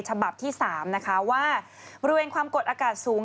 ฉบับที่๓นะคะว่าบริเวณความกดอากาศสูง